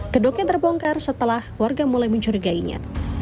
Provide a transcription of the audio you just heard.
kedoknya terbongkar setelah warga mulai mencurigainya